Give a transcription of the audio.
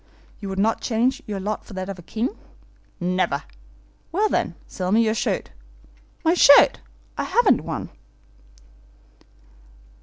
'You would not change your lot for that of a king?' 'Never!' 'Well, then, sell me your shirt.' 'My shirt! I haven't one!